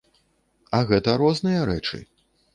А гэта розныя рэчы.